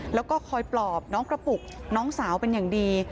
แล้วก็คอยปลอบน้องกระปุกน้องสาวเป็นอย่างดี